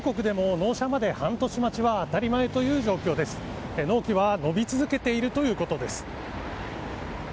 納期は、伸び続けているということです。